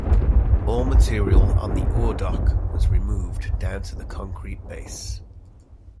All material on the ore dock was removed down to the concrete base.